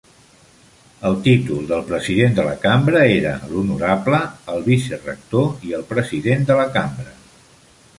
El títol del president de la cambra era "L'honorable, el vicerector, i el president de la cambra."